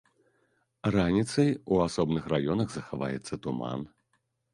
Раніцай у асобных раёнах захаваецца туман.